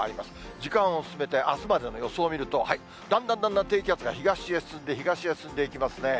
時間を進めて、あすまでの予想を見ると、だんだんだんだん低気圧が東へ進んで、東へ進んでいきますね。